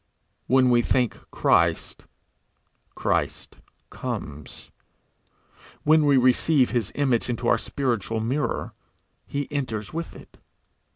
When we think Christ, Christ comes; when we receive his image into our spiritual mirror, he enters with it.